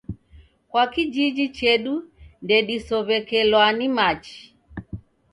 Kwa kijiji chedu ndedisow'ekelwa ni machi